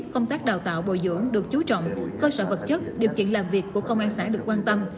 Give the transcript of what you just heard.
công tác đào tạo bồi dưỡng được chú trọng cơ sở vật chất điều kiện làm việc của công an xã được quan tâm